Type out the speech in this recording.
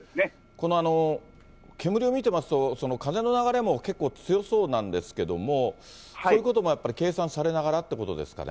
この煙を見てますと、風の流れも結構強そうなんですけれども、そういうこともやっぱり計算されながらということですかね。